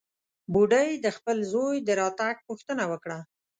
بوډۍ د خپل زوى د راتګ پوښتنه وکړه.